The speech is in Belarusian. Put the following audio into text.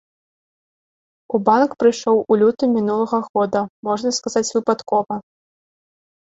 У банк прыйшоў у лютым мінулага года, можна сказаць, выпадкова.